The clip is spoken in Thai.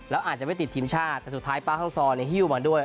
แล้วอาจจะไม่ติดทีมชาติแต่สุดท้ายป้าฮาวซอเนี่ยฮิ้วมาด้วย